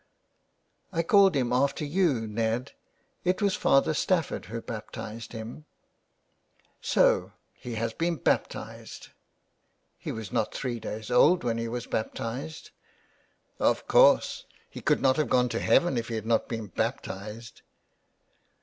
'^ I called him after you, Ned. It was Father Stafford who baptised him." " So he has been baptised !"" He was not three days old when he was baptised.'' *' Of course. He could not have gone to heaven if he had not been baptised.''